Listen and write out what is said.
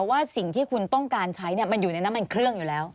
ว่าสิ่งที่สุดที่คนต้องการใช้อยู่ในน้ำมันเครื่อง